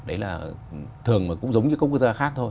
đấy là thường mà cũng giống như các quốc gia khác thôi